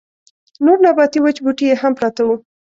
نور نباتي وچ بوټي يې هم پراته وو.